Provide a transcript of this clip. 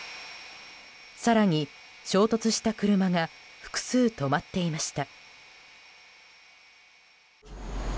更に衝突した車が複数止まっていました。